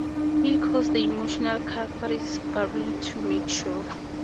He calls the Emotional Catharsis Bureau to make sure.